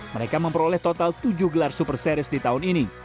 mereka memperoleh total tujuh gelar super series di tahun ini